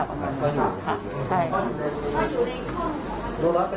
เกิดอยู่ในประมาณนั้นค่ะ